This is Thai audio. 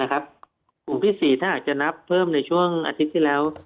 กลุ่มที่๔ถ้าอาจจะนับเพิ่มในช่วงอาทิตย์ที่แล้ว